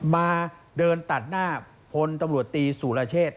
มาเดินตัดหน้าพลทบุหรุดตรีสู่รเชษ